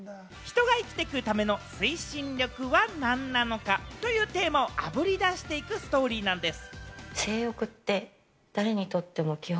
人が生きていくための推進力は何なのかというテーマをあぶり出していくストーリーなんです。